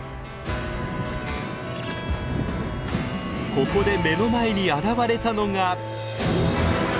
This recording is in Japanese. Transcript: ここで目の前に現れたのが。